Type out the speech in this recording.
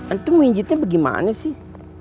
antum pijitnya bagaimana sih